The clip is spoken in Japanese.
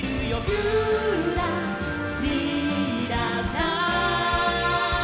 「ぴゅらりらら」